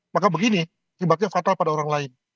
maka begini kibaknya fatal pada orang lain